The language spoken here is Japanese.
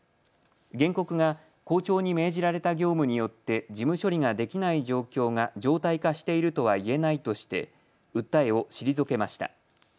原告が校長に命じられた業務によって事務処理ができない状況が常態化しているとは言えないとして訴えを退けました。